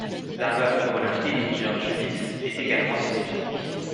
La veuve de Colin Pillinger, Judith, est également scientifique.